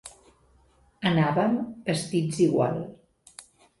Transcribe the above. Anàvem vestits igual.